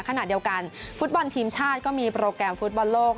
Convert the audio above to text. ขณะเดียวกันฟุตบอลทีมชาติก็มีโปรแกรมฟุตบอลโลก